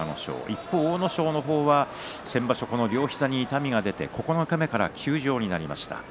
一方、阿武咲は先場所は両膝に痛みが出て途中休場になりました。